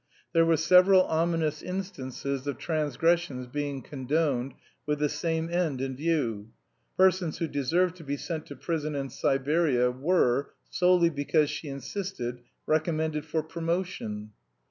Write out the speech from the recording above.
There were several ominous instances of transgressions being condoned with the same end in view; persons who deserved to be sent to prison and Siberia were, solely because she insisted, recommended for promotion.